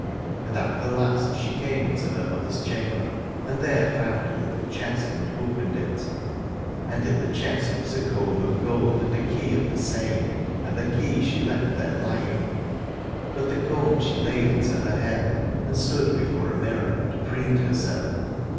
And at the last she came into her mother's chamber and there found a little chest, and opened it, and in the chest was a comb of gold and a key of the same. And the key she left there lying, but the comb she laid into her hair, and stood before a mirror and preened herself.